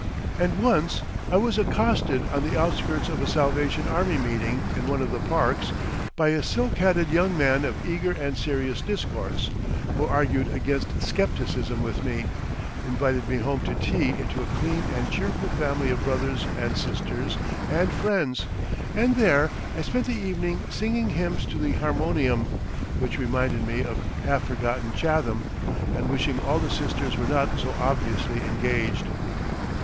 And once I was accosted on the outskirts of a Salvation Army meeting in one of the parks by a silk hatted young man of eager and serious discourse, who argued against scepticism with me, invited me home to tea into a clean and cheerful family of brothers and sisters and friends, and there I spent the evening singing hymns to the harmonium (which reminded me of half forgotten Chatham), and wishing all the sisters were not so obviously engaged....